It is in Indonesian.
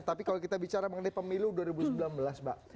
tapi kalau kita bicara mengenai pemilu dua ribu sembilan belas mbak